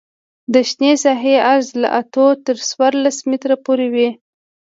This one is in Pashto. د شنې ساحې عرض له اتو تر څوارلس مترو پورې وي